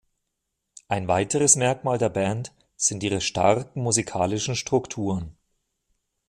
Ein weiteres Merkmal der Band sind ihre starken musikalischen Strukturen.